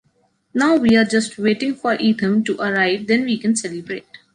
Now we are just waiting for Etham to arrive then we can celebrate.